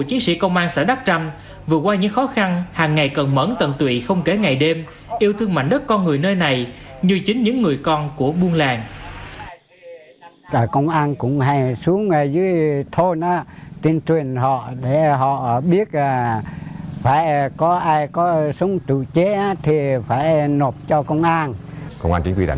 chiến sĩ công an xã đắk trăm vượt qua những khó khăn hàng ngày cần mẫn tận tụy không kể ngày đêm